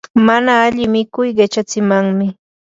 mana alli mikuy qichatsimanmi.